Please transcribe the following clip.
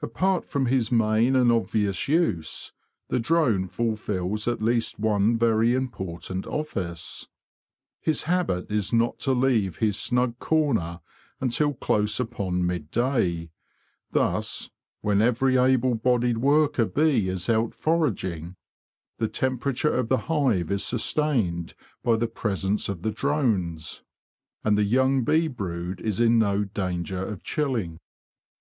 Apart from his main and obvious use, the drone fulfils at least one very important office. His habit is not to leave his snug corner until close upon midday. Thus, when every able bodied worker bee is out foraging, the temperature of the hive is sustained by the presence of the drones, and the young bee brood is in no danger of chilling.